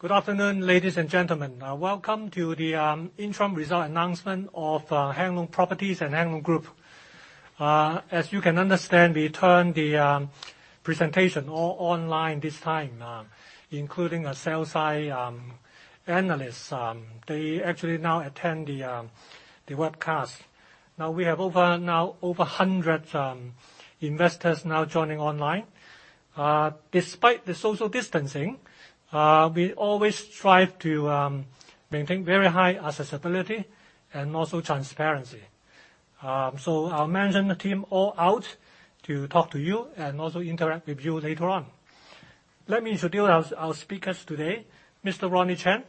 Good afternoon, ladies and gentlemen. Welcome to the interim result announcement of Hang Lung Properties and Hang Lung Group. As you can understand, we turn the presentation all online this time, including sell-side analysts. They actually now attend the webcast. We have over 100 investors now joining online. Despite the social distancing, we always strive to maintain very high accessibility and also transparency. I mention the team all out to talk to you and also interact with you later on. Let me introduce our speakers today. Mr. Ronnie Chan,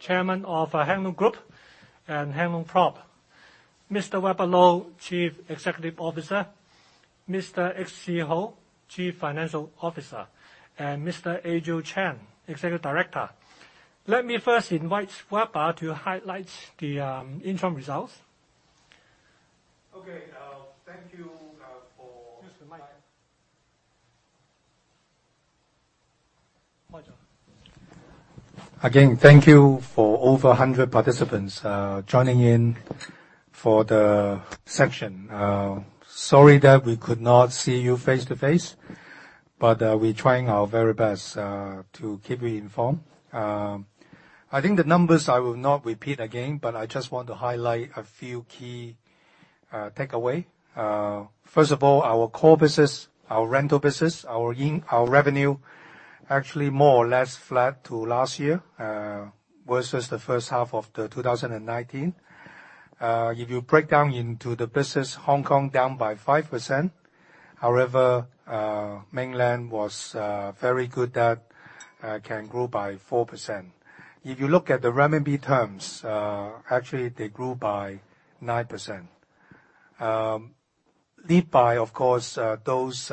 Chairman of Hang Lung Group and Hang Lung Prop. Mr. Weber Lo, Chief Executive Officer. Mr. H.C. Ho, Chief Financial Officer. Mr. Adriel Chan, Executive Director. Let me first invite Weber to highlight the interim results. Okay. Thank you. Use the mic. Microphones on. Again, thank you for over 100 participants joining in for the session. Sorry that we could not see you face-to-face, we're trying our very best to keep you informed. I think the numbers I will not repeat again, I just want to highlight a few key takeaway. First of all, our core business, our rental business, our revenue actually more or less flat to last year versus the first half of 2019. If you break down into the business, Hong Kong down by 5%. Mainland was very good that can grow by 4%. If you look at the RMB terms, actually they grew by 9%, lead by, of course, those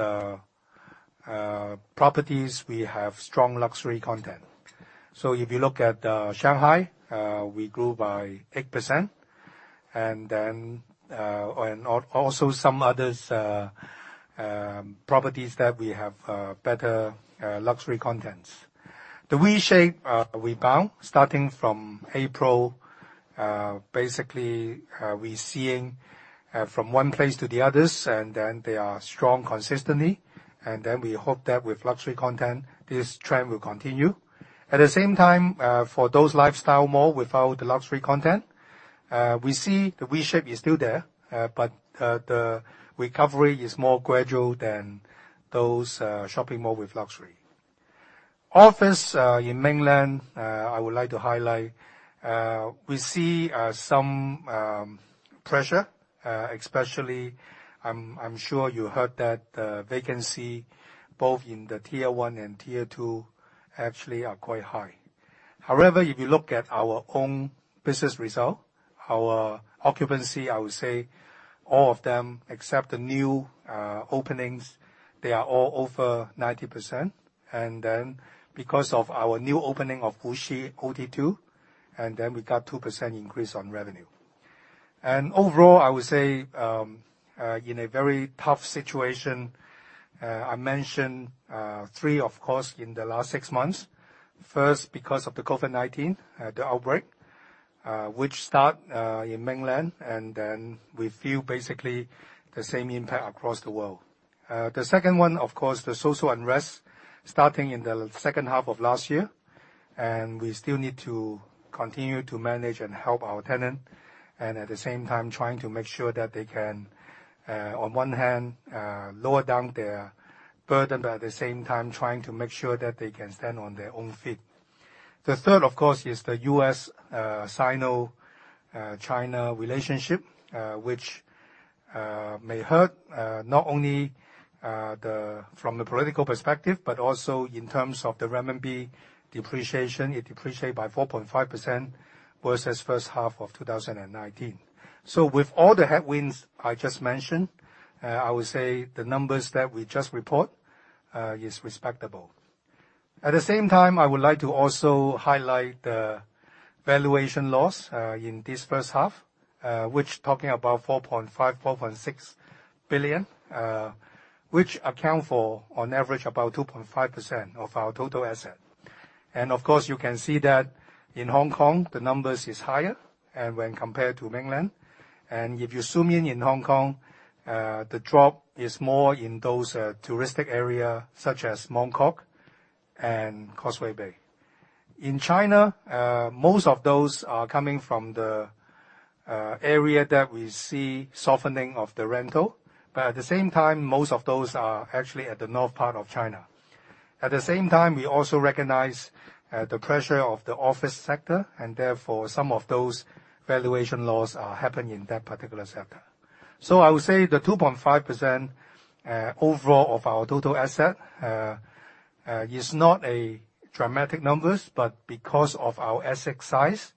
properties we have strong luxury content. If you look at Shanghai, we grew by 8% and also some other properties that we have better luxury contents. The V-shape rebound starting from April. Basically, we're seeing from one place to the others. They are strong consistently. We hope that with luxury content, this trend will continue. At the same time, for those lifestyle malls without the luxury content, we see the V shape is still there. The recovery is more gradual than those shopping malls with luxury. Office in Mainland, I would like to highlight. We see some pressure, especially, I'm sure you heard that the vacancy both in the tier 1 and tier 2 actually are quite high. If you look at our own business result, our occupancy, I would say all of them, except the new openings, they are all over 90%. Because of our new opening of Wuxi OT2, and then we got 2% increase on revenue. Overall, I would say, in a very tough situation, I mention three, of course, in the last six months. First, because of the COVID-19, the outbreak, which start in Mainland, and then we feel basically the same impact across the world. The second one, of course, the social unrest starting in the second half of last year. We still need to continue to manage and help our tenant, and at the same time trying to make sure that they can on one hand, lower down their burden, but at the same time trying to make sure that they can stand on their own feet. The third, of course, is the U.S.-Sino China relationship which may hurt not only from the political perspective, but also in terms of the renminbi depreciation. It depreciate by 4.5% versus first half of 2019. With all the headwinds I just mentioned, I would say the numbers that we just report is respectable. At the same time, I would like to also highlight the valuation loss, in this first half, which talking about 4.5 billion, 4.6 billion, which account for on average about 2.5% of our total asset. Of course, you can see that in Hong Kong, the numbers is higher and when compared to Mainland. If you zoom in in Hong Kong, the drop is more in those touristic area such as Mong Kok and Causeway Bay. In China, most of those are coming from the area that we see softening of the rental. At the same time, most of those are actually at the north part of China. At the same time, we also recognize the pressure of the office sector. Therefore, some of those valuation losses are happening in that particular sector. I would say the 2.5% overall of our total asset is not a dramatic number. Because of our asset size,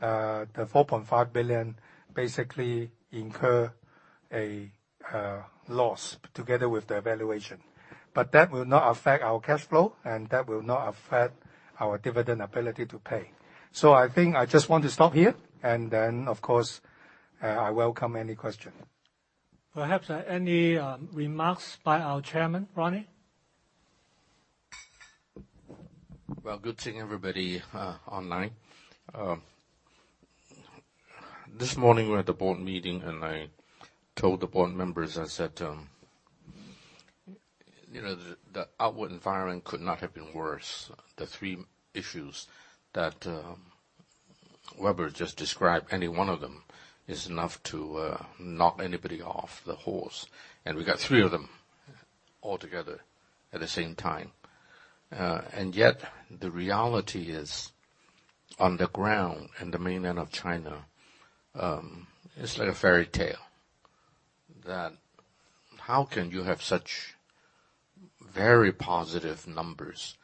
the 4.5 billion basically incurred a loss together with the valuation. That will not affect our cash flow. That will not affect our dividend ability to pay. I think I just want to stop here. Then of course, I welcome any questions. Perhaps any remarks by our Chairman, Ronnie? Well, good seeing everybody online. This morning, we were at the board meeting and I told the board members, I said, "The outward environment could not have been worse." The three issues that Weber just described, any one of them is enough to knock anybody off the horse, and we got three of them all together at the same time. Yet, the reality is, on the ground in the mainland of China, it's like a fairy tale, that how can you have such very positive numbers?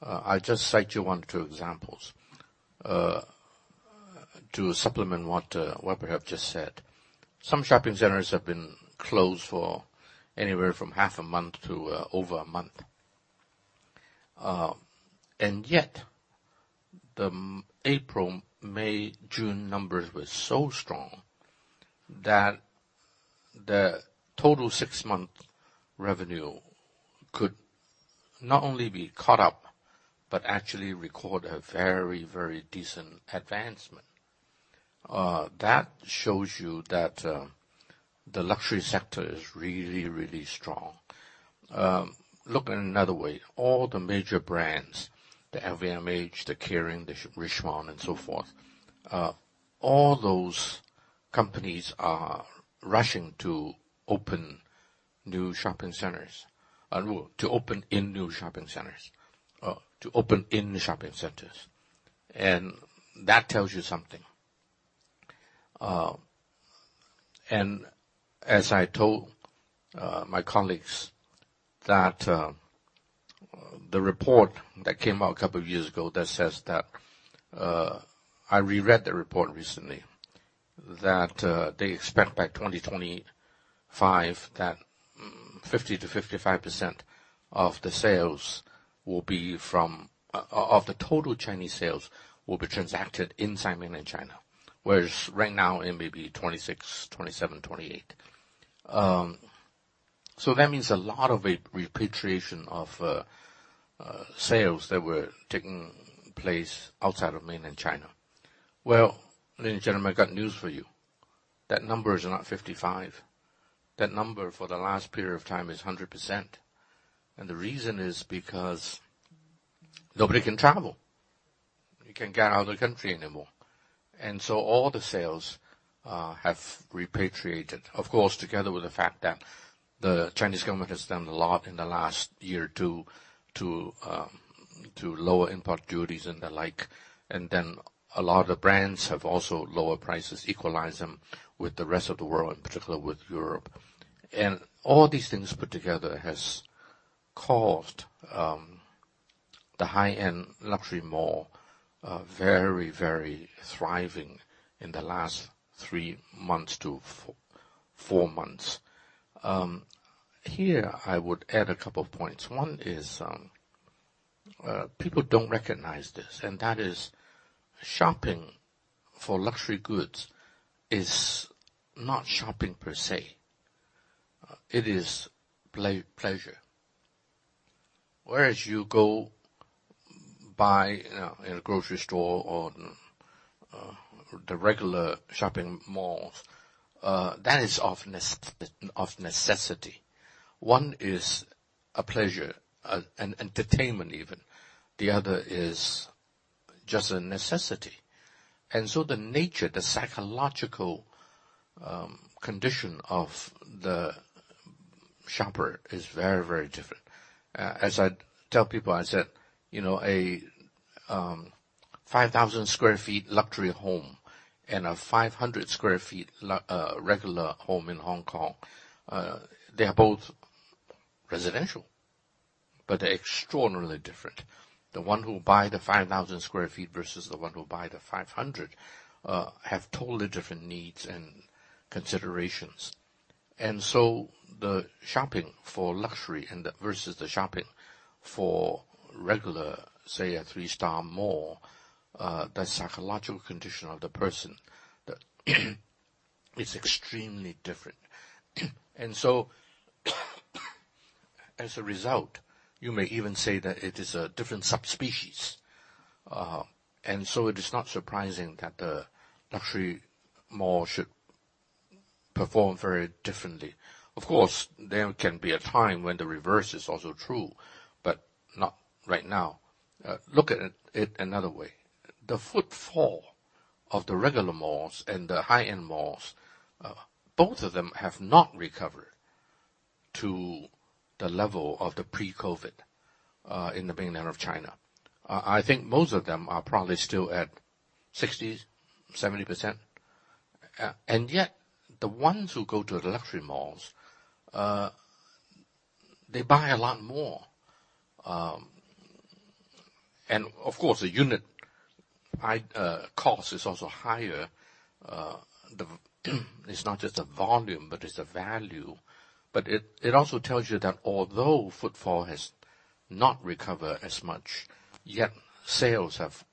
I just cite you one or two examples to supplement what Weber have just said. Some shopping centers have been closed for anywhere from half a month to over a month. Yet, the April, May, June numbers were so strong that the total six-month revenue could not only be caught up, but actually record a very decent advancement. That shows you that the luxury sector is really strong. Look in another way. All the major brands, the LVMH, the Kering, the Richemont and so forth, all those companies are rushing to open in new shopping centers. That tells you something. As I told my colleagues that the report that came out a couple of years ago that says that I reread the report recently, that they expect by 2025 that 50%-55% of the total Chinese sales will be transacted inside mainland China, whereas right now it may be 26%, 27%, 28%. That means a lot of repatriation of sales that were taking place outside of mainland China. Well, ladies and gentlemen, I got news for you. That number is not 55%. That number for the last period of time is 100%. The reason is because nobody can travel. You can't get out of the country anymore. All the sales have repatriated. Of course, together with the fact that the Chinese government has done a lot in the last year or two to lower import duties and the like, a lot of the brands have also lower prices, equalize them with the rest of the world, in particular with Europe. All these things put together has caused the high-end luxury mall very thriving in the last three to four months. Here, I would add a couple of points. One is, people don't recognize this, and that is, shopping for luxury goods is not shopping, per se. It is pleasure. Whereas you go buy in a grocery store or the regular shopping malls, that is of necessity. One is a pleasure, an entertainment even. The other is just a necessity. The nature, the psychological condition of the shopper is very different. As I tell people, I said, a 5,000 sqft luxury home and a 500 sqft regular home in Hong Kong, they are both residential, but they're extraordinarily different. The one who buy the 5,000 sqft versus the one who buy the 500 have totally different needs and considerations. The shopping for luxury versus the shopping for regular, say, a three-star mall, the psychological condition of the person, it's extremely different. As a result, you may even say that it is a different subspecies. It is not surprising that the luxury mall should perform very differently. Of course, there can be a time when the reverse is also true, but not right now. Look at it another way. The footfall of the regular malls and the high-end malls, both of them have not recovered to the level of the pre-COVID, in the mainland of China. I think most of them are probably still at 60%, 70%. Yet, the ones who go to the luxury malls, they buy a lot more. Of course, the unit cost is also higher. It's not just the volume, but it's the value. It also tells you that although footfall has not recovered as much, yet sales have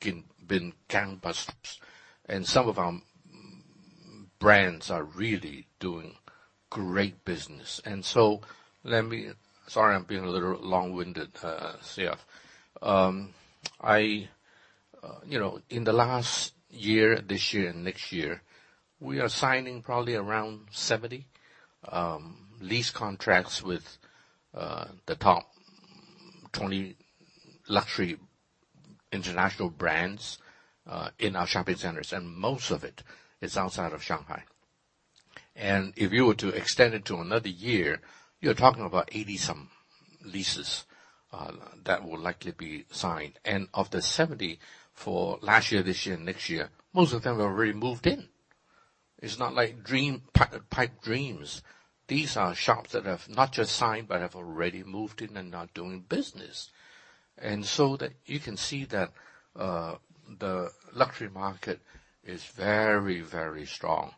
been gangbusters. Some of our brands are really doing great business. Let me Sorry, I'm being a little long-winded, CF. In the last year, this year and next year, we are signing probably around 70 lease contracts with the top 20 luxury international brands in our shopping centers, and most of it is outside of Shanghai. If you were to extend it to another year, you're talking about 80-some leases that will likely be signed. Of the 70 for last year, this year and next year, most of them have already moved in. It's not like pipe dreams. These are shops that have not just signed, but have already moved in and are now doing business. You can see that the luxury market is very, very strong,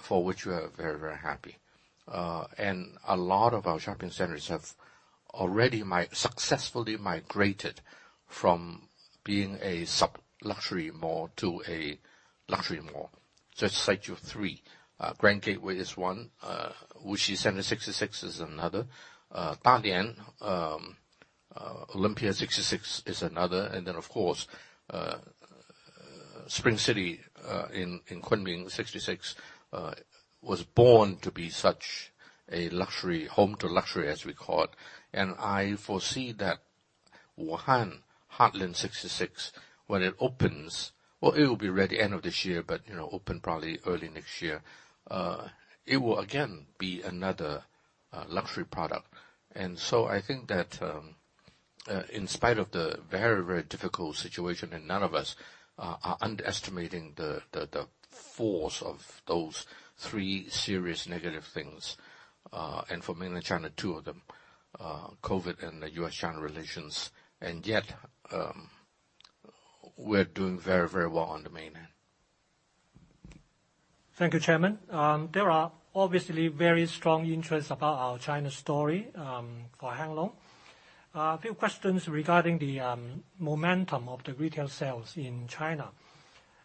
for which we are very, very happy. A lot of our shopping centers have already successfully migrated from being a sub-luxury mall to a luxury mall. Just cite you three. Grand Gateway is one. Wuxi Center 66 is another. Dalian Olympia 66 is another. Then, of course, Spring City in Kunming 66 was born to be such a home to luxury as we call it. I foresee that Wuhan Heartland 66, when it opens, well, it will be ready end of this year, but open probably early next year. It will again be another luxury product. I think that in spite of the very, very difficult situation, and none of us are underestimating the force of those three serious negative things, and for mainland China, two of them, COVID and the U.S.-China relations, and yet we're doing very, very well on the mainland. Thank you, Chairman. There are obviously very strong interest about our China story for Hang Lung. A few questions regarding the momentum of the retail sales in China.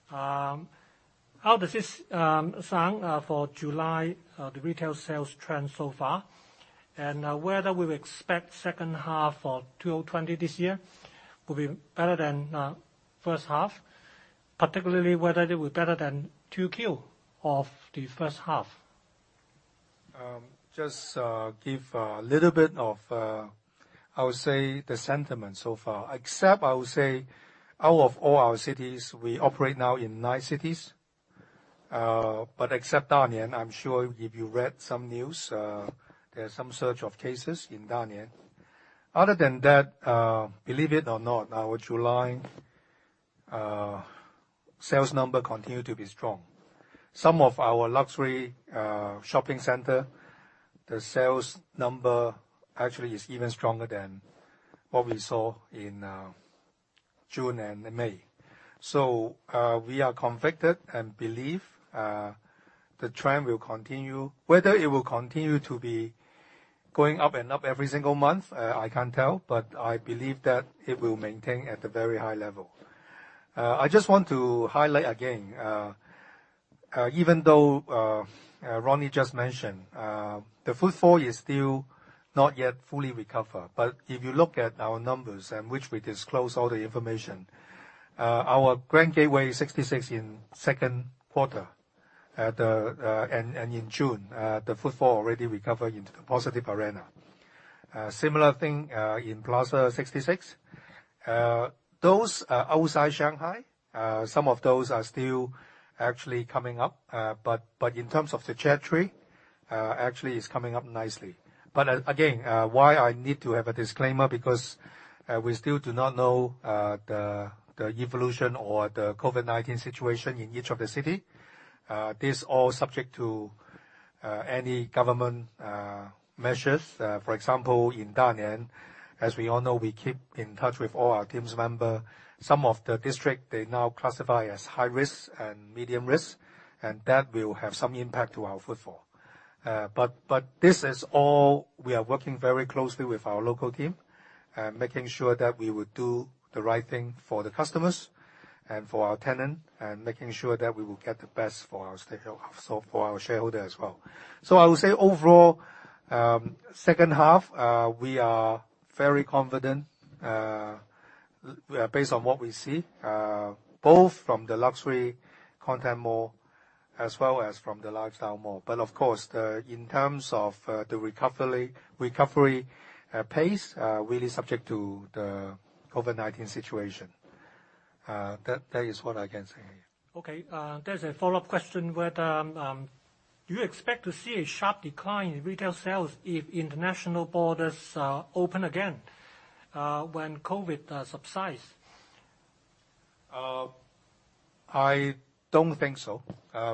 How does this sound for July, the retail sales trend so far? Whether we would expect second half of 2020 this year will be better than first half, particularly whether it will be better than 2Q of the first half. Just give a little bit of, I would say, the sentiment so far. Except I would say out of all our cities, we operate now in nine cities. Except Dalian, I'm sure if you read some news, there's some surge of cases in Dalian. Other than that, believe it or not, our July sales number continued to be strong. Some of our luxury shopping center, the sales number actually is even stronger than what we saw in June and May. We are convicted and believe the trend will continue. Whether it will continue to be going up and up every single month, I can't tell, but I believe that it will maintain at a very high level. I just want to highlight again, even though Ronnie just mentioned, the footfall is still not yet fully recovered. If you look at our numbers, and which we disclose all the information, our Grand Gateway 66 in second quarter and in June, the footfall already recovered into the positive arena. Similar thing in Plaza 66. Those outside Shanghai, some of those are still actually coming up, but in terms of the trajectory, actually it's coming up nicely. Again, why I need to have a disclaimer, because we still do not know the evolution or the COVID-19 situation in each of the city. These all subject to any government measures. For example, in Dalian, as we all know, we keep in touch with all our teams member. Some of the district, they now classify as high risk and medium risk, and that will have some impact to our footfall. This is all we are working very closely with our local team and making sure that we would do the right thing for the customers and for our tenant and making sure that we will get the best for our shareholder as well. I would say overall, second half, we are very confident based on what we see, both from the luxury content mall as well as from the lifestyle mall. Of course, in terms of the recovery pace, really subject to the COVID-19 situation. That is what I can say. Okay. There's a follow-up question. Do you expect to see a sharp decline in retail sales if international borders open again, when COVID-19 subsides? I don't think so.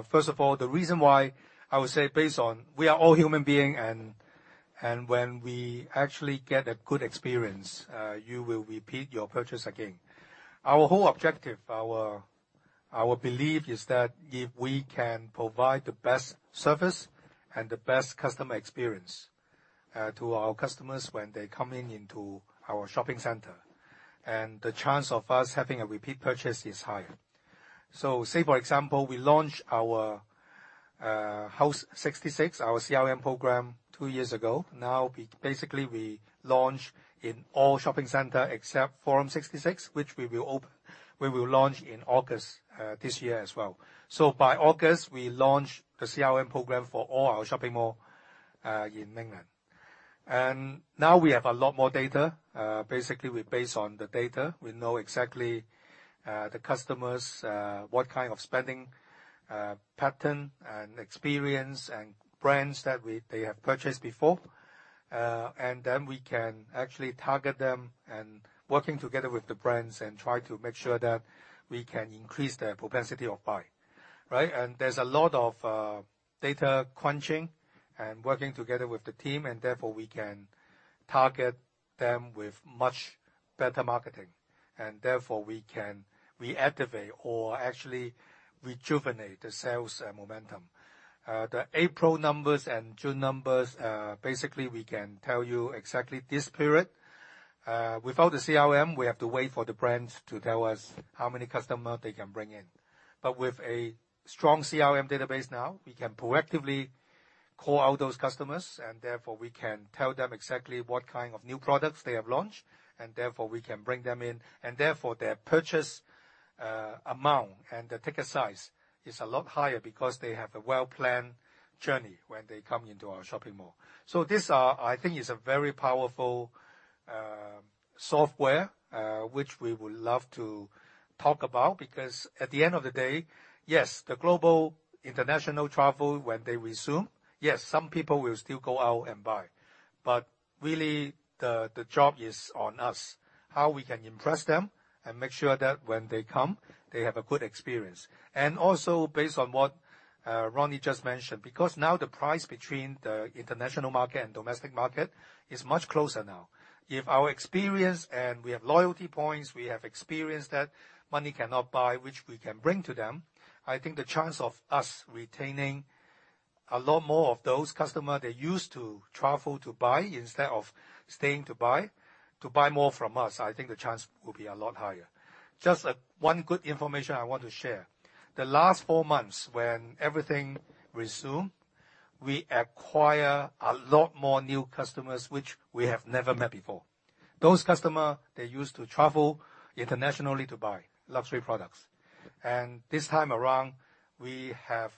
First of all, the reason why I would say based on we are all human being and when we actually get a good experience, you will repeat your purchase again. Our whole objective, our belief is that if we can provide the best service and the best customer experience. To our customers when they come into our shopping center. The chance of us having a repeat purchase is higher. Say, for example, we launched our HOUSE 66, our CRM program, two years ago. Basically, we launch in all shopping center except Forum 66, which we will launch in August this year as well. By August, we launch the CRM program for all our shopping mall in mainland. Now we have a lot more data. Basically, we base on the data. We know exactly the customers, what kind of spending pattern and experience and brands that they have purchased before. Then we can actually target them and working together with the brands and try to make sure that we can increase their propensity of buy, right? There's a lot of data crunching and working together with the team, and therefore, we can target them with much better marketing. Therefore, we can reactivate or actually rejuvenate the sales momentum. The April numbers and June numbers, basically, we can tell you exactly this period, without the CRM, we have to wait for the brands to tell us how many customer they can bring in. With a strong CRM database now, we can proactively call out those customers, and therefore, we can tell them exactly what kind of new products they have launched, and therefore, we can bring them in. Therefore, their purchase amount and the ticket size is a lot higher because they have a well-planned journey when they come into our shopping mall. This, I think is a very powerful software, which we would love to talk about because at the end of the day, yes, the global international travel when they resume, yes, some people will still go out and buy. Really the job is on us, how we can impress them and make sure that when they come, they have a good experience. Also based on what Ronnie just mentioned, because now the price between the international market and domestic market is much closer now. If our experience and we have loyalty points, we have experience that money cannot buy, which we can bring to them, I think the chance of us retaining a lot more of those customer that used to travel to buy instead of staying to buy, to buy more from us, I think the chance will be a lot higher. Just one good information I want to share. The last four months when everything resume, we acquire a lot more new customers which we have never met before. Those customer, they used to travel internationally to buy luxury products. This time around, we have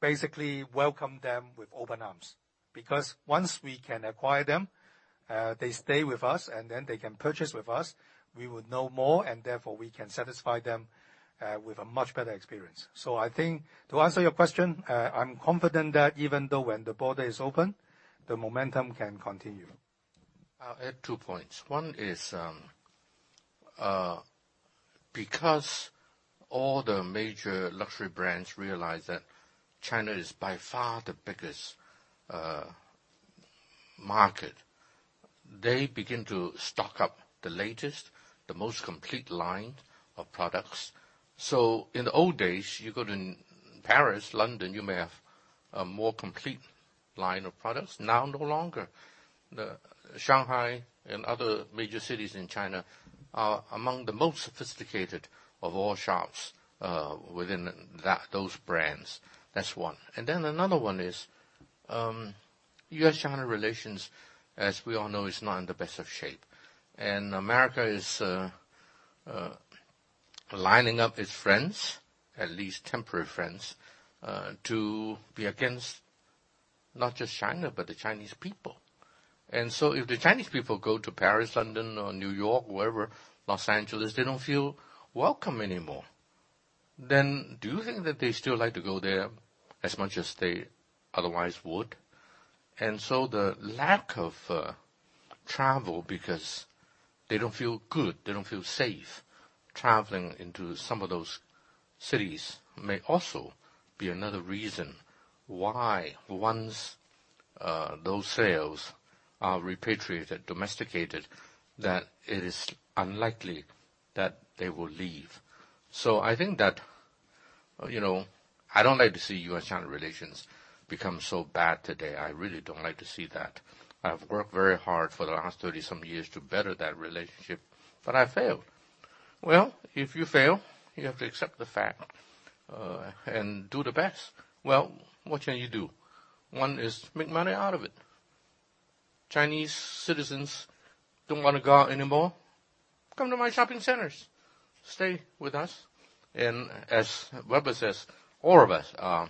basically welcomed them with open arms, because once we can acquire them, they stay with us and then they can purchase with us, we would know more, and therefore, we can satisfy them with a much better experience. I think to answer your question, I'm confident that even though when the border is open, the momentum can continue. I'll add two points. One is, because all the major luxury brands realize that China is by far the biggest market, they begin to stock up the latest, the most complete line of products. In the old days, you go to Paris, London, you may have a more complete line of products. Now, no longer. The Shanghai and other major cities in China are among the most sophisticated of all shops within those brands. That's one. Another one is, U.S.-China relations, as we all know, is not in the best of shape. America is lining up its friends, at least temporary friends, to be against not just China, but the Chinese people. If the Chinese people go to Paris, London or New York, wherever, Los Angeles, they don't feel welcome anymore. Do you think that they still like to go there as much as they otherwise would? The lack of travel because they don't feel good, they don't feel safe traveling into some of those cities, may also be another reason why once those sales are repatriated, domesticated, that it is unlikely that they will leave. I think that, I don't like to see U.S.-China relations become so bad today. I really don't like to see that. I've worked very hard for the last 30-some years to better that relationship, but I failed. Well, if you fail, you have to accept the fact and do the best. Well, what can you do? One is make money out of it. Chinese citizens don't want to go out anymore? Come to my shopping centers, stay with us. As Weber says, all of us are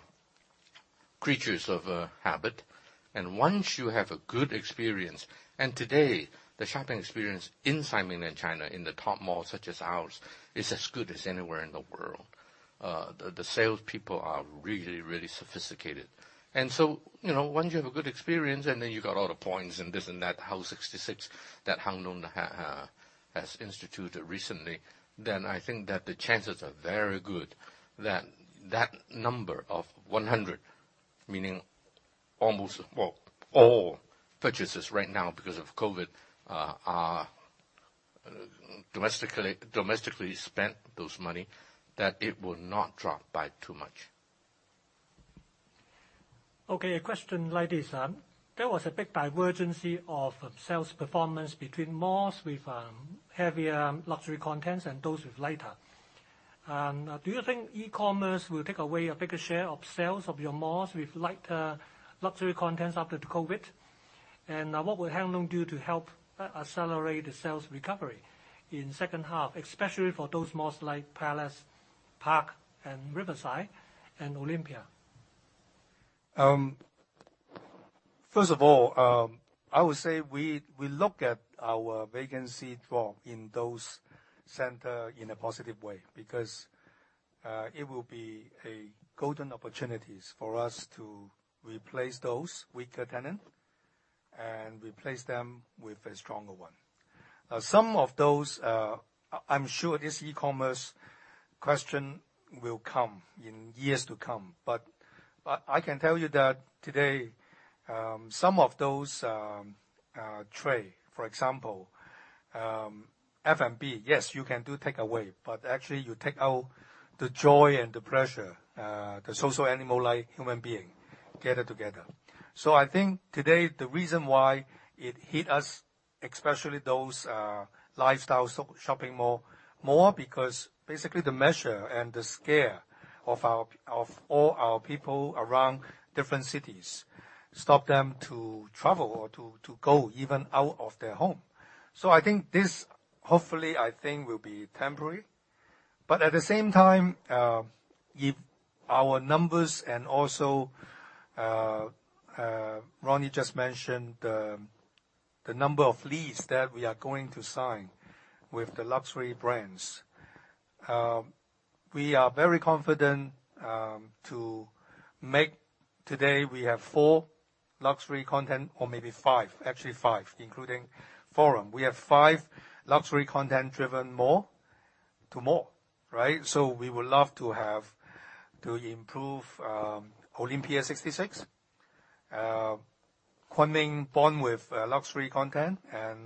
creatures of habit, and once you have a good experience, and today, the shopping experience inside mainland China in the top malls such as ours, is as good as anywhere in the world. The salespeople are really, really sophisticated. Once you have a good experience and then you got all the points and this and that, HOUSE 66, that Hang Lung has instituted recently, then I think that the chances are very good that number of 100, meaning almost all purchases right now because of COVID-19 are. Domestically spent those money that it will not drop by too much. Okay. A question like this. There was a big divergence of sales performance between malls with heavier luxury contents and those with lighter. Do you think e-commerce will take away a bigger share of sales of your malls with lighter luxury contents after the COVID-19? What will Hang Lung do to help accelerate the sales recovery in second half, especially for those malls like Palace 66, Parc 66 and Riverside 66 and Olympia 66? First of all, I would say we look at our vacancy drop in those center in a positive way because it will be a golden opportunities for us to replace those weaker tenant and replace them with a stronger one. Some of those, I'm sure this e-commerce question will come in years to come. I can tell you that today, some of those trade, for example, F&B, yes, you can do take away, but actually you take out the joy and the pleasure, the social animal like human being gathered together. I think today the reason why it hit us, especially those lifestyle shopping mall, more because basically the measure and the scale of all our people around different cities stop them to travel or to go even out of their home. I think this hopefully, I think will be temporary. At the same time, if our numbers and also, Ronnie just mentioned the number of lease that we are going to sign with the luxury brands. We are very confident to make today we have four luxury content or maybe five, actually five, including Forum 66. We have five luxury content driven mall to mall, right? We would love to have to improve Olympia 66, Spring City 66 born with luxury content, and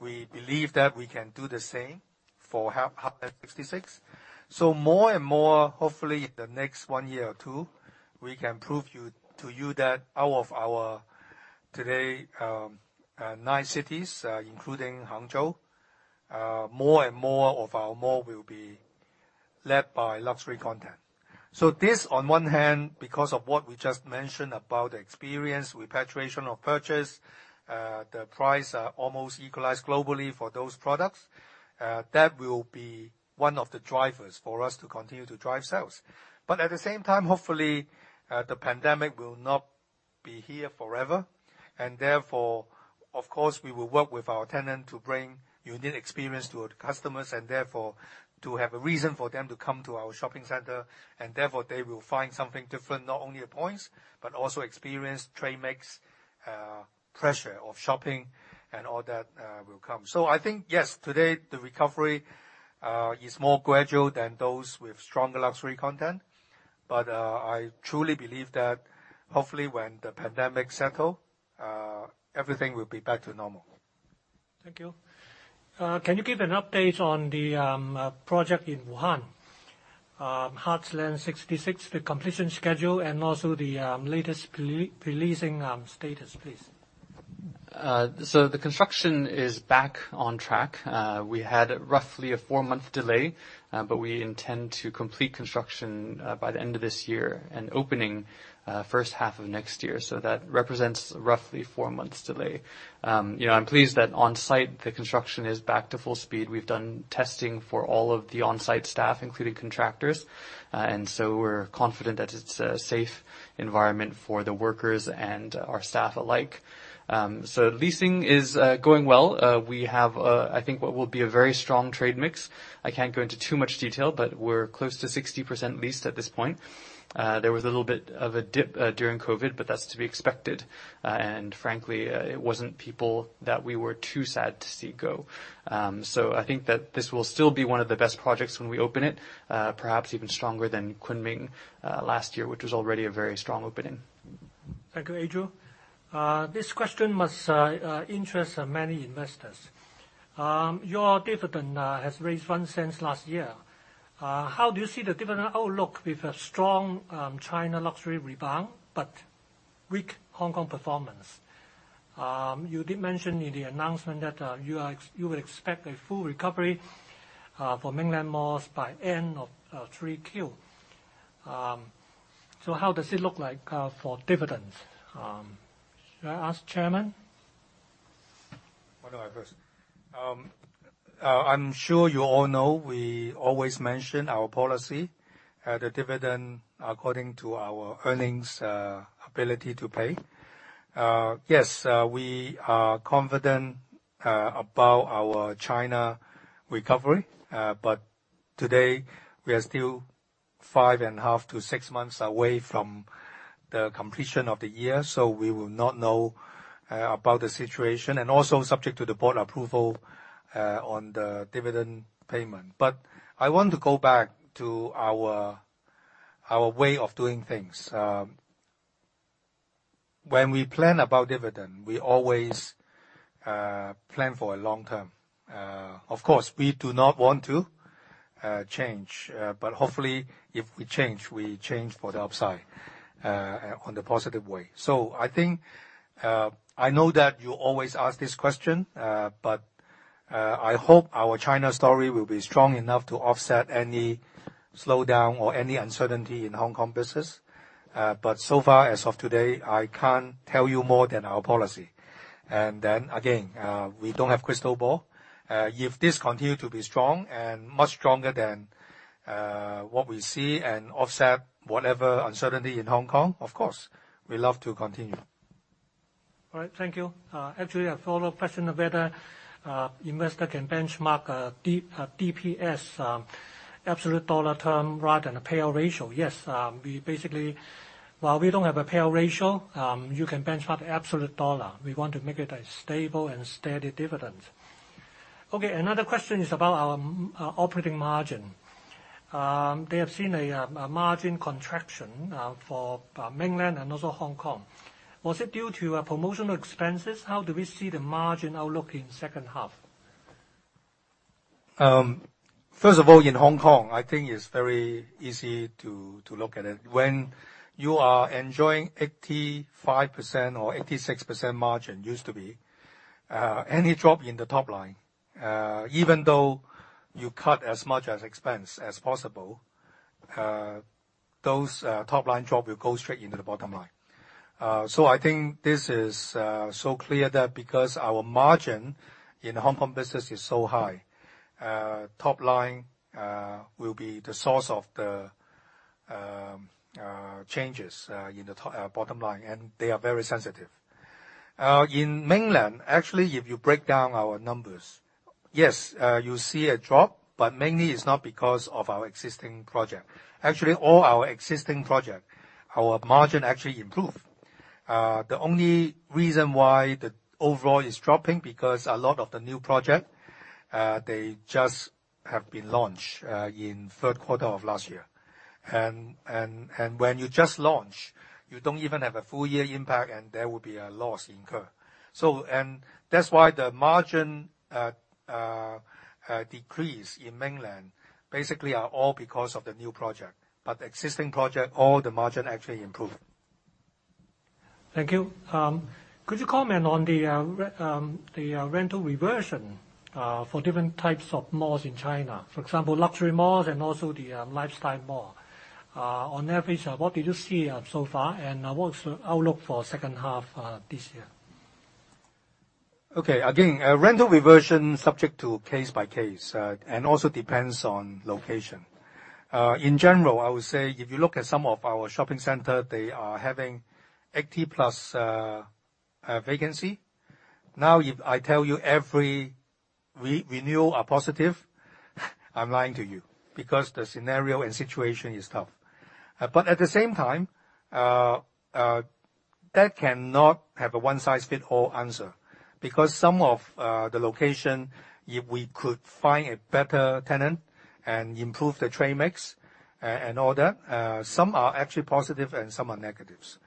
we believe that we can do the same for Heartland 66. More and more, hopefully the next one year or two, we can prove to you that out of our today, nine cities, including Hangzhou, more and more of our mall will be led by luxury content. This on one hand, because of what we just mentioned about experience, repatriation of purchase, the price almost equalize globally for those products. That will be one of the drivers for us to continue to drive sales. At the same time, hopefully, the pandemic will not be here forever and therefore, of course, we will work with our tenant to bring unique experience to customers and therefore, to have a reason for them to come to our shopping center and therefore, they will find something different, not only at points, but also experience trade mix, pressure of shopping and all that will come. I think, yes, today the recovery is more gradual than those with stronger luxury content. I truly believe that hopefully when the pandemic settle, everything will be back to normal. Thank you. Can you give an update on the project in Wuhan, Heartland 66, the completion schedule and also the latest releasing status, please? The construction is back on track. We had roughly a four-month delay, but we intend to complete construction by the end of this year and opening first half of next year. That represents roughly four months delay. I'm pleased that on site the construction is back to full speed. We've done testing for all of the on-site staff, including contractors. We're confident that it's a safe environment for the workers and our staff alike. Leasing is going well. We have, I think what will be a very strong trade mix. I can't go into too much detail, but we're close to 60% leased at this point. There was a little bit of a dip during COVID, but that's to be expected. Frankly, it wasn't people that we were too sad to see go. I think that this will still be one of the best projects when we open it, perhaps even stronger than Kunming, last year, which was already a very strong opening. Thank you, Adriel. This question must interest many investors. Your dividend has raised 0.01 last year. How do you see the dividend outlook with a strong China luxury rebound but weak Hong Kong performance? You did mention in the announcement that you would expect a full recovery for mainland malls by end of 3Q. How does it look like for dividends? Should I ask Chairman? I'm sure you all know we always mention our policy, the dividend according to our earnings ability to pay. We are confident about our China recovery. Today we are still five and a half to six months away from the completion of the year. We will not know about the situation and also subject to the board approval on the dividend payment. I want to go back to our way of doing things. When we plan about dividend, we always plan for a long term. Of course, we do not want to change. Hopefully, if we change, we change for the upside on the positive way. I know that you always ask this question, but I hope our China story will be strong enough to offset any slowdown or any uncertainty in Hong Kong business. So far, as of today, I can't tell you more than our policy. Again, we don't have crystal ball. If this continue to be strong and much stronger than what we see and offset whatever uncertainty in Hong Kong, of course, we love to continue. All right. Thank you. Actually, a follow-up question of whether investor can benchmark DPS absolute HKD term rather than a payout ratio. Yes. While we don't have a payout ratio, you can benchmark the absolute HKD. We want to make it a stable and steady dividend. Okay. Another question is about our operating margin. They have seen a margin contraction for Mainland and also Hong Kong. Was it due to promotional expenses? How do we see the margin outlook in second half? In Hong Kong, I think it's very easy to look at it. When you are enjoying 85% or 86% margin, used to be, any drop in the top line, even though you cut as much as expense as possible, those top line drop will go straight into the bottom line. I think this is so clear that because our margin in the Hong Kong business is so high, top line will be the source of the changes in the bottom line, and they are very sensitive. In Mainland, actually, if you break down our numbers, yes, you see a drop, mainly it's not because of our existing project. Actually, all our existing project, our margin actually improved. The only reason why the overall is dropping, because a lot of the new project, they just have been launched in third quarter of last year. When you just launch, you don't even have a full year impact and there will be a loss incurred. That's why the margin decrease in Mainland basically are all because of the new project. Existing project, all the margin actually improved. Thank you. Could you comment on the rental reversion for different types of malls in China, for example, luxury malls and also the lifestyle mall. On average, what did you see so far, and what's the outlook for second half this year? Okay. Again, rental reversion subject to case by case, also depends on location. In general, I would say if you look at some of our shopping center, they are having 80+ vacancy. Now, if I tell you every renew are positive, I'm lying to you because the scenario and situation is tough. At the same time, that cannot have a one-size-fits-all answer because some of the location, if we could find a better tenant and improve the trade mix and all that, some are actually positive and some are negatives.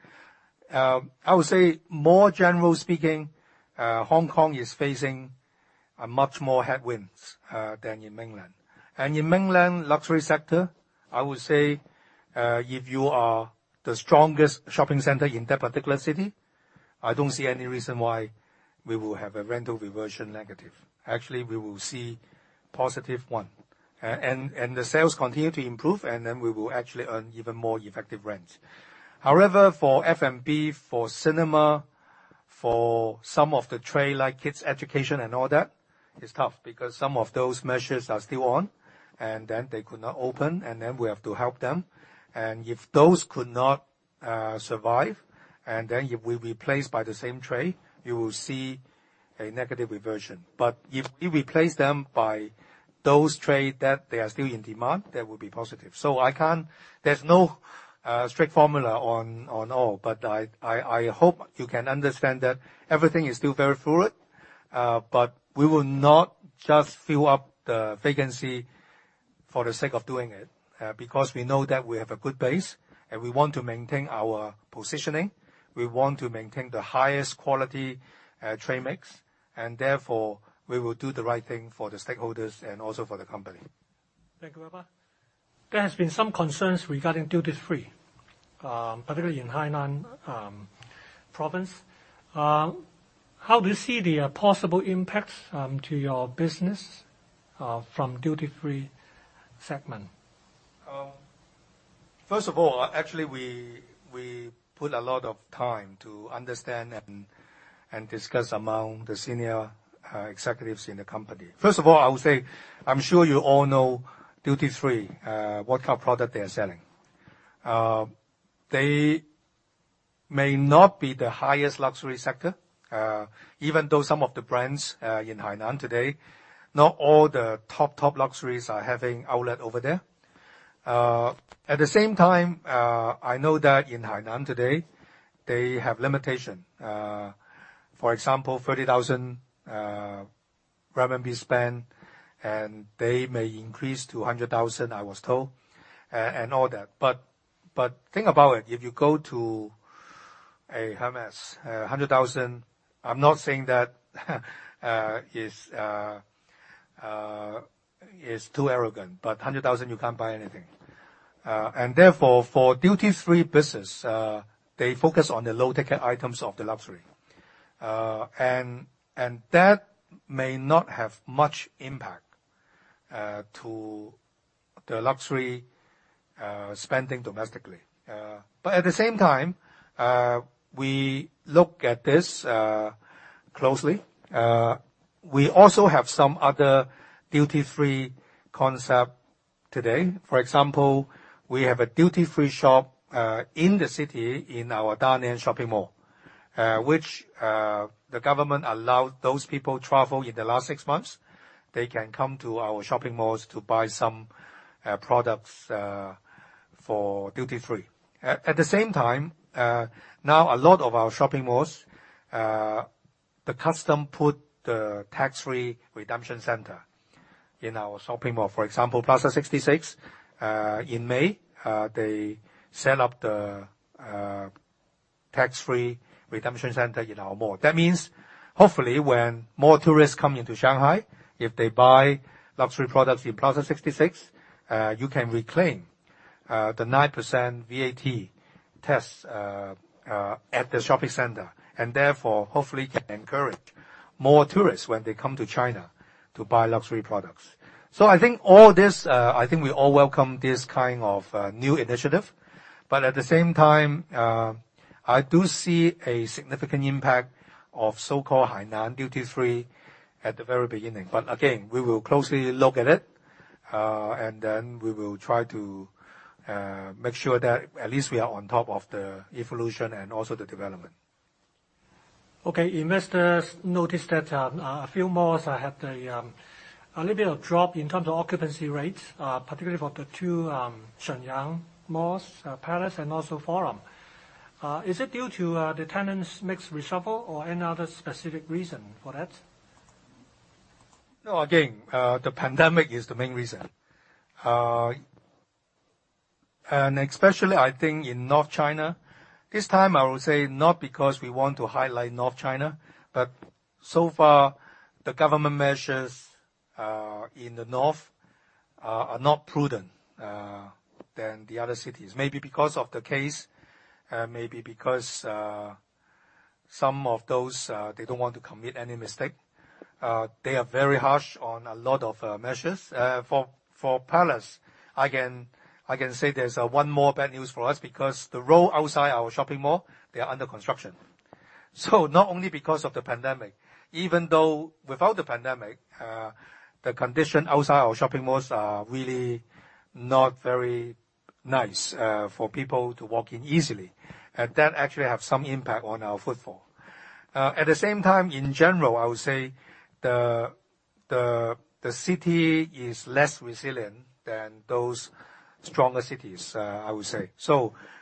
I would say more general speaking, Hong Kong is facing much more headwinds than in Mainland. In Mainland luxury sector, I would say if you are the strongest shopping center in that particular city, I don't see any reason why we will have a rental reversion negative. Actually, we will see positive one. The sales continue to improve, and then we will actually earn even more effective rent. However, for F&B, for cinema, for some of the trade like kids education and all that, it's tough because some of those measures are still on, and then they could not open and then we have to help them. If those could not survive and then if we replace by the same trade, you will see a negative reversion. If we replace them by those trade that they are still in demand, that will be positive. There's no strict formula on all. I hope you can understand that everything is still very fluid, but we will not just fill up the vacancy for the sake of doing it, because we know that we have a good base, and we want to maintain our positioning. We want to maintain the highest quality trade mix, and therefore we will do the right thing for the stakeholders and also for the company. Thank you, Weber. There has been some concerns regarding duty free, particularly in Hainan Province. How do you see the possible impacts to your business from duty-free segment? First of all, actually we put a lot of time to understand and discuss among the senior executives in the company. First of all, I would say, I'm sure you all know duty free, what kind of product they are selling. They may not be the highest luxury sector, even though some of the brands in Hainan today, not all the top luxuries are having outlet over there. At the same time, I know that in Hainan today, they have limitation. For example, 30,000 RMB spend, and they may increase to 100,000, I was told, and all that. Think about it, if you go to a Hermès, 100,000, I'm not saying that is too arrogant, but 100,000, you can't buy anything. Therefore, for duty-free business, they focus on the low-ticket items of the luxury. That may not have much impact to the luxury spending domestically. At the same time, we look at this closely. We also have some other duty-free concept today. For example, we have a duty-free shop in the city, in our Dalian shopping mall, which the government allowed those people travel in the last 6 months, they can come to our shopping malls to buy some products for duty-free. At the same time, now a lot of our shopping malls, the custom put the tax-free redemption center in our shopping mall. For example, Plaza 66, in May, they set up the tax-free redemption center in our mall. That means, hopefully when more tourists come into Shanghai, if they buy luxury products in Plaza 66, you can reclaim the 9% VAT tax at the shopping center, and therefore, hopefully can encourage more tourists when they come to China to buy luxury products. I think all this, I think we all welcome this kind of new initiative. At the same time, I do see a significant impact of so-called Hainan duty-free at the very beginning. Again, we will closely look at it, and then we will try to make sure that at least we are on top of the evolution and also the development. Okay. Investors noticed that a few malls have a little bit of drop in terms of occupancy rates, particularly for the two Shenyang malls, Palace and also Forum. Is it due to the tenants mix reshuffle or any other specific reason for that? No. The pandemic is the main reason. Especially, I think, in North China. This time I will say not because we want to highlight North China, but so far, the government measures in the North are not prudent than the other cities. Maybe because of the case, maybe because some of those, they don't want to commit any mistake. They are very harsh on a lot of measures. For Palace, I can say there's one more bad news for us because the road outside our shopping mall, they are under construction. Not only because of the pandemic, even though without the pandemic, the condition outside our shopping malls are really not very nice for people to walk in easily. That actually have some impact on our footfall. At the same time, in general, I would say the city is less resilient than those stronger cities, I would say.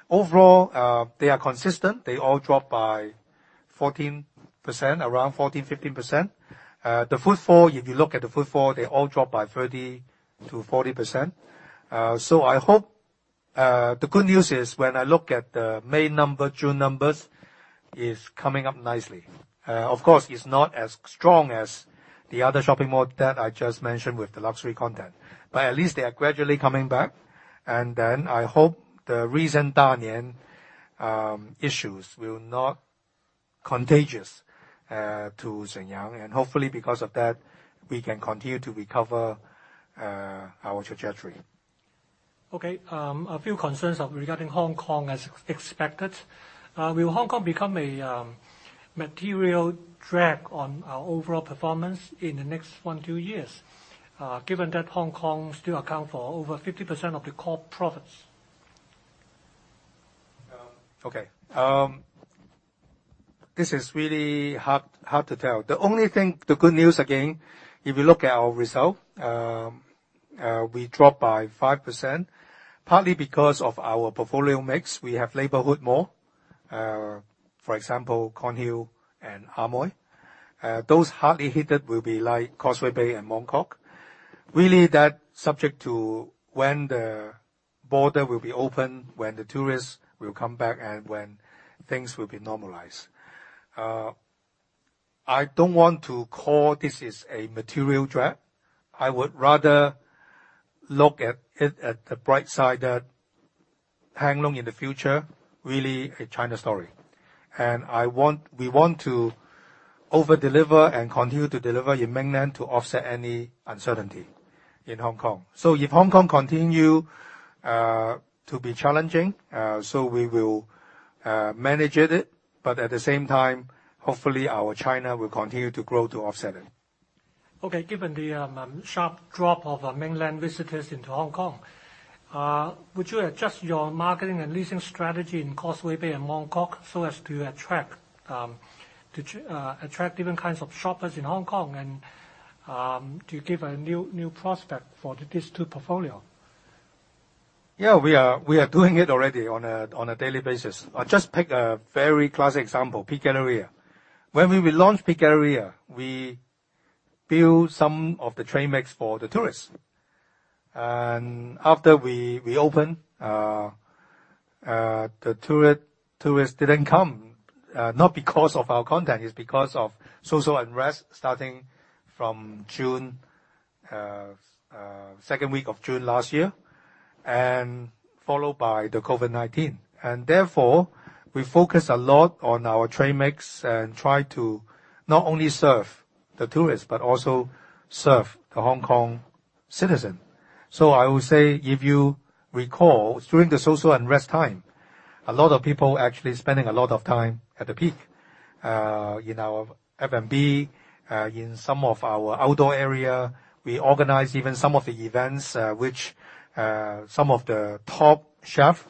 Overall, they are consistent. They all drop by 14%, around 14%-15%. The footfall, if you look at the footfall, they all drop by 30%-40%. I hope the good news is when I look at the May number, June numbers, is coming up nicely. Of course, it's not as strong as the other shopping mall that I just mentioned with the luxury content, but at least they are gradually coming back. I hope the recent Dalian issues will not contagious to Shenyang, and hopefully because of that, we can continue to recover our trajectory. Okay. A few concerns regarding Hong Kong as expected. Will Hong Kong become a material drag on our overall performance in the next one, two years, given that Hong Kong still account for over 50% of the core profits? This is really hard to tell. The only thing, the good news, if you look at our results, we dropped by 5%, partly because of our portfolio mix. We have neighborhood malls, for example, Kornhill and Amoy. Those hardest hit will be like Causeway Bay and Mong Kok. That is really subject to when the border will be open, when the tourists will come back, and when things will be normalized. I don't want to call this is a material drag. I would rather look at it on the bright side that Hang Lung in the future, really a China story. We want to over-deliver and continue to deliver in Mainland to offset any uncertainty in Hong Kong. If Hong Kong continues to be challenging, we will manage it, but at the same time, hopefully our China will continue to grow to offset it. Okay. Given the sharp drop of mainland visitors into Hong Kong, would you adjust your marketing and leasing strategy in Causeway Bay and Mong Kok so as to attract different kinds of shoppers in Hong Kong and to give a new prospect for these two portfolio? Yeah, we are doing it already on a daily basis. I'll just pick a very classic example, Peak Galleria. When we launched Peak Galleria, we built some of the trade mix for the tourists. After we opened, the tourists didn't come, not because of our content, it's because of social unrest starting from second week of June last year, and followed by the COVID-19. Therefore, we focus a lot on our trade mix and try to not only serve the tourists, but also serve the Hong Kong citizen. I would say, if you recall, during the social unrest time, a lot of people actually spending a lot of time at the Peak. In our F&B, in some of our outdoor area, we organized even some of the events, which some of the top chef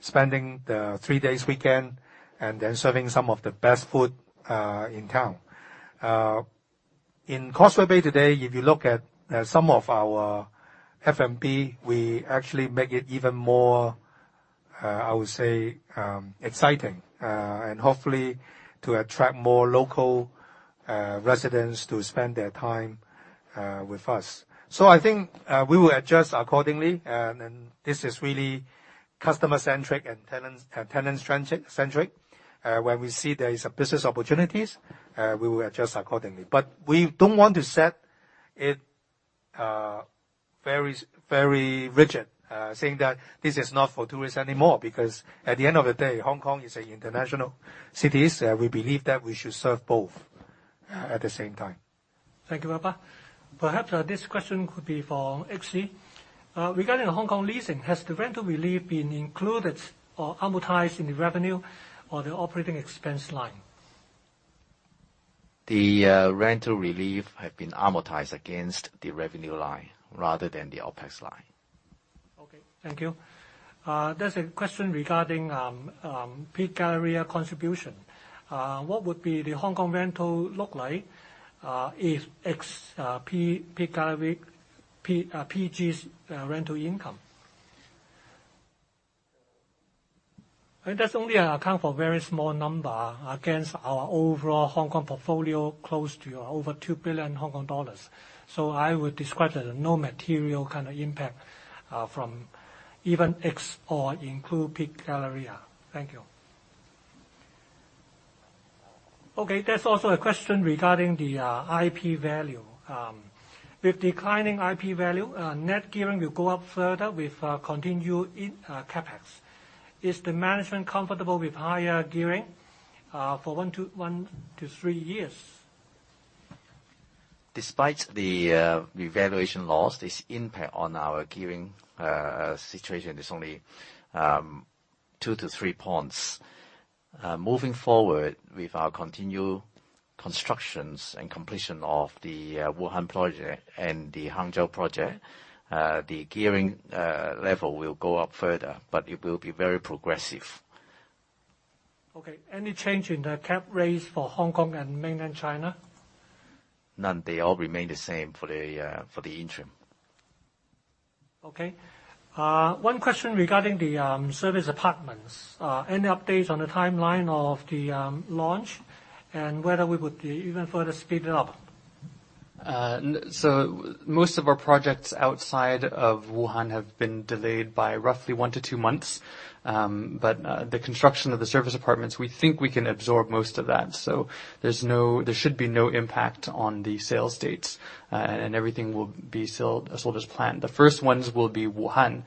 spending the three-days weekend and then serving some of the best food in town. In Causeway Bay today, if you look at some of our F&B, we actually make it even more, I would say, exciting. Hopefully to attract more local residents to spend their time with us. I think we will adjust accordingly, and this is really customer-centric and tenant-centric. Where we see there is business opportunities, we will adjust accordingly. We don't want to set it very rigid, saying that this is not for tourists anymore, because at the end of the day, Hong Kong is an international city. We believe that we should serve both at the same time. Thank you, Papa. Perhaps this question could be for HC. Regarding the Hong Kong leasing, has the rental relief been included or amortized in the revenue or the operating expense line? The rental relief have been amortized against the revenue line rather than the OpEx line. Okay, thank you. There's a question regarding Peak Galleria contribution. What would be the Hong Kong rental look like if ex Peak Galleria, PG's rental income? That only account for a very small number against our overall Hong Kong portfolio, close to over 2 billion Hong Kong dollars. I would describe it no material kind of impact from even ex or include Peak Galleria. Thank you. Okay, there's also a question regarding the IP value. With declining IP value, net gearing will go up further with continued CapEx. Is the management comfortable with higher gearing for one to three years? Despite the valuation loss, its impact on our gearing situation is only two to three points. Moving forward with our continued constructions and completion of the Wuhan project and the Hangzhou project, the gearing level will go up further, but it will be very progressive. Okay, any change in the cap rates for Hong Kong and Mainland China? None. They all remain the same for the interim. Okay. One question regarding the service apartments. Any updates on the timeline of the launch and whether we would even further speed it up? Most of our projects outside of Wuhan have been delayed by roughly one to two months. The construction of the service apartments, we think we can absorb most of that. There should be no impact on the sales dates, and everything will be sold as planned. The first ones will be Wuhan,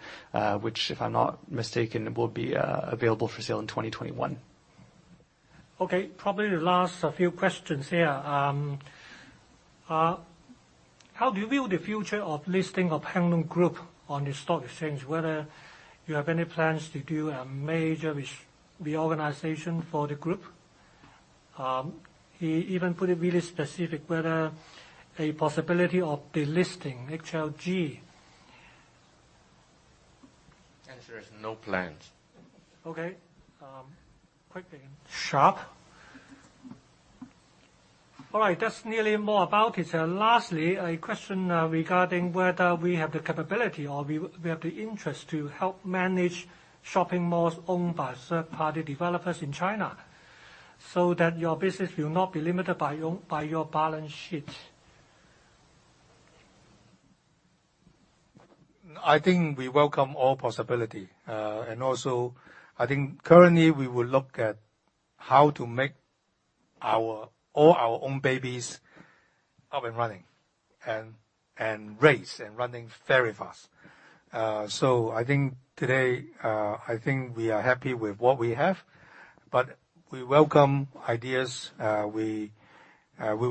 which if I'm not mistaken, will be available for sale in 2021. Okay, probably the last few questions here. How do you view the future of listing of Hang Lung Group on the stock exchange, whether you have any plans to do a major reorganization for the group? He even put it really specific, whether a possibility of delisting HLG. Answer is no plans. Okay. Quick and sharp. All right, that's nearly more about it. Lastly, a question regarding whether we have the capability or we have the interest to help manage shopping malls owned by third-party developers in China so that your business will not be limited by your balance sheet. I think we welcome all possibility. Also, I think currently we will look at how to make all our own babies up and running and race and running very fast. I think today, I think we are happy with what we have, but we welcome ideas. We will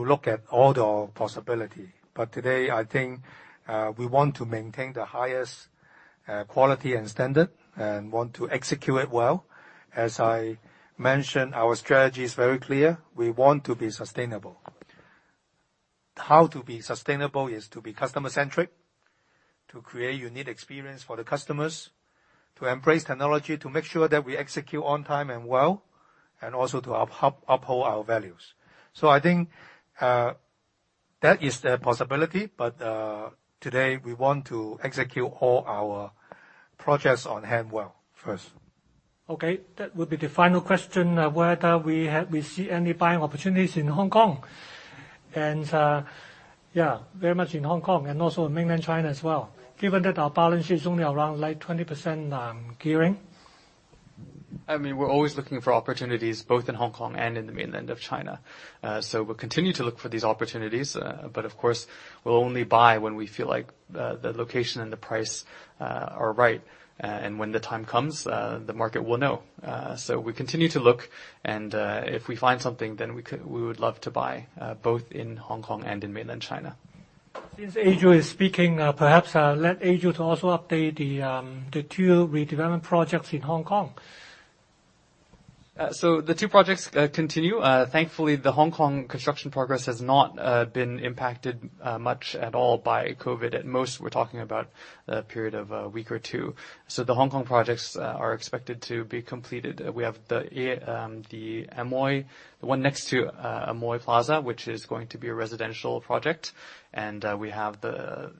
look at all the possibility. Today, I think we want to maintain the highest quality and standard and want to execute well. I mentioned, our strategy is very clear. We want to be sustainable. How to be sustainable is to be customer centric, to create unique experience for the customers, to embrace technology, to make sure that we execute on time and well, and also to uphold our values. I think that is the possibility, but today we want to execute all our projects on hand well first. Okay. That would be the final question. Whether we see any buying opportunities in Hong Kong and, yeah, very much in Hong Kong and also in mainland China as well. Given that our balance sheet is only around like 20% gearing. I mean, we're always looking for opportunities both in Hong Kong and in the Mainland of China. We'll continue to look for these opportunities. Of course, we'll only buy when we feel like the location and the price are right. When the time comes, the market will know. We continue to look and if we find something, then we would love to buy, both in Hong Kong and in Mainland China. Since Adriel is speaking, perhaps let Adriel to also update the two redevelopment projects in Hong Kong. The two projects continue. Thankfully, the Hong Kong construction progress has not been impacted much at all by COVID. At most, we're talking about a period of a week or two. The Hong Kong projects are expected to be completed. We have the Amoy, the one next to Amoy Plaza, which is going to be a residential project. We have the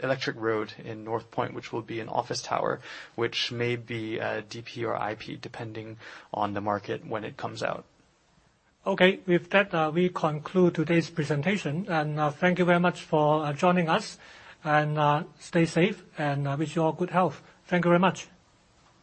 Electric Road in North Point, which will be an office tower, which may be a DP or IP depending on the market when it comes out. Okay. With that, we conclude today's presentation and thank you very much for joining us, and stay safe and I wish you all good health. Thank you very much.